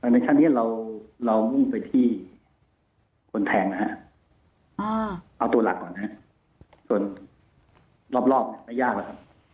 ในชั้นนี้เรามุ่งไปที่คนแทงนะฮะเอาตัวหลักก่อนนะฮะส่วนรอบไม่ยากแล้วครับ